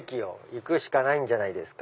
行くしかないんじゃないですか。